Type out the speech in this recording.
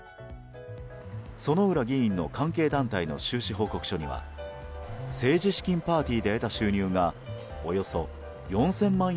薗浦議員の関係団体の収支報告書には政治資金パーティーで得た収入がおよそ４０００万円